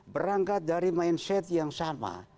berangkat dari mindset yang sama